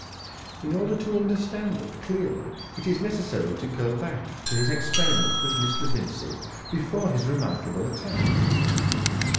In order to understand it clearly it is necessary to go back to his experiments with Mr. Vincey before his remarkable attack.